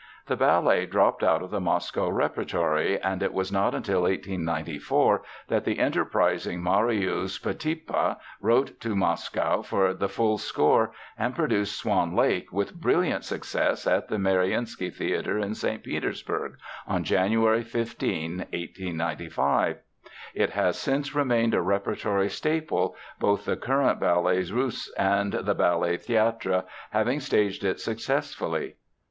The ballet dropped out of the Moscow repertory, and it was not until 1894 that the enterprising Marius Petipa wrote to Moscow for the full score and produced Swan Lake with brilliant success at the Maryinsky Theater in St. Petersburg, on January 15, 1895. It has since remained a repertory staple, both the current Ballets Russes and the Ballet Theatre having staged it successfully.